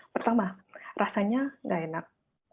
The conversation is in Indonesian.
pertama rasanya enggak enak